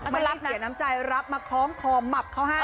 ไม่ได้เสียน้ำใจรับมาคล้องคอหมับเขาให้